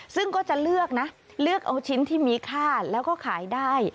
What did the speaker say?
ซึ่งก็จะเลือกนะเลือกเอาชิ้นที่มีค่าแล้วก็ขายได้